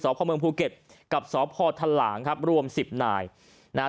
สอบพ่อเมืองภูเก็ตกับสอบพ่อทะหล่างครับรวมสิบหน่ายนะฮะ